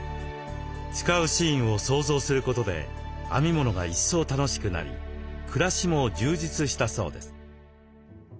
使うシーンを想像することで編み物が一層楽しくなり暮らしも充実したそうです。